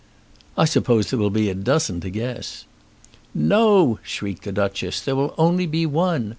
"I suppose there will be a dozen to guess." "No," shrieked the Duchess. "There will only be one.